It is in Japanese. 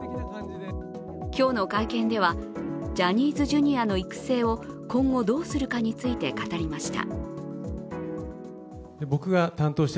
今日の会見では、ジャニーズＪｒ．の育成を今後どうするかについて語りました。